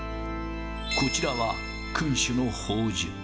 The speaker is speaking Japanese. こちらは君主の宝珠。